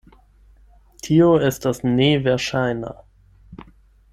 Tio estas neverŝajna.